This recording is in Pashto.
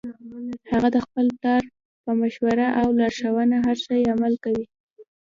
هغه د خپل پلار په مشوره او لارښوونه هر شي عمل کوي